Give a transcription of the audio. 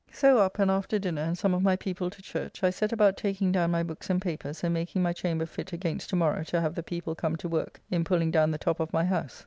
So up and after dinner and some of my people to church, I set about taking down my books and papers and making my chamber fit against to morrow to have the people come to work in pulling down the top of my house.